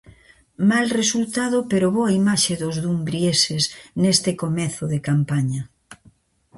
Mal resultado pero boa imaxe dos dumbrieses neste comezo de campaña.